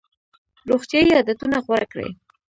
روغتیایي عادتونه غوره کړئ.